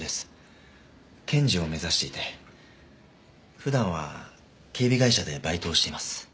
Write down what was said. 普段は警備会社でバイトをしています。